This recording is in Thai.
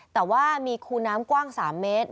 แต่ว่ามีคูน้ำกว้าง๓เมตร